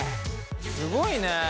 すごいね。